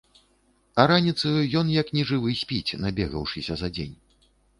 А раніцаю ён як нежывы спіць, набегаўшыся за дзень.